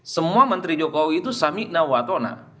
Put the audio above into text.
semua menteri jokowi itu samikna watona